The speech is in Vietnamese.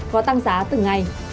có tăng giá từng ngày